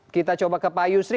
kita coba ke pak yusri